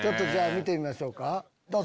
見てみましょうかどうぞ。